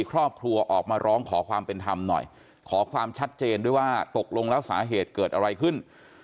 ครอบครัวออกมาร้องขอความเป็นธรรมหน่อยขอความชัดเจนด้วยว่าตกลงแล้วสาเหตุเกิดอะไรขึ้น